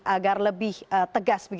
agar lebih tegas